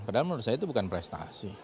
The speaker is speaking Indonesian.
padahal menurut saya itu bukan prestasi